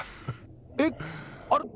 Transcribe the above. えっあれ？